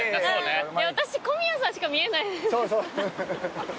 私小宮さんしか見えない。